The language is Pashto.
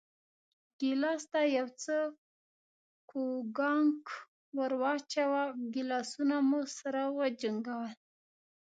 ګیلاس ته یو څه کوګناک ور واچوه، ګیلاسونه مو سره وجنګول.